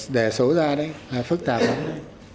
đẻ số ra đấy là phức tạp lắm đấy